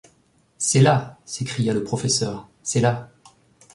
C’est là ! s’écria le professeur, c’est là !